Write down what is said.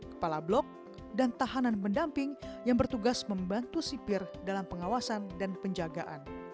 kepala blok dan tahanan pendamping yang bertugas membantu sipir dalam pengawasan dan penjagaan